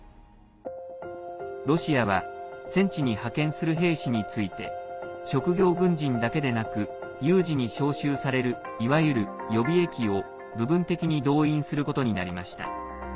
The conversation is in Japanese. ロシアは戦地に派遣する兵士について職業軍人だけでなく有事に招集されるいわゆる予備役を部分的に動員することになりました。